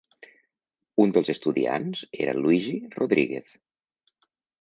Un dels estudiants era Luigi Rodriguez.